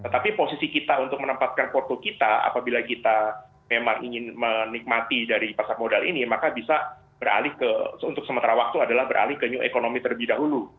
tapi posisi kita untuk menempatkan portfo kita apabila kita memang ingin menikmati dari pasar modal ini maka bisa beralih ke untuk sementara waktu adalah beralih ke new economy terlebih dahulu